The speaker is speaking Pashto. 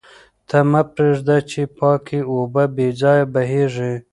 ته مه پرېږده چې پاکې اوبه بې ځایه بهېږي.